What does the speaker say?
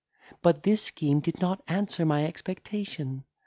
But this scheme did not answer my expectation.